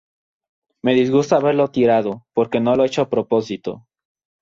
Me disgusta haberlo tirado, porque no lo he hecho a propósito.